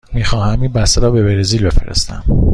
می خواهم این بسته را به برزیل بفرستم.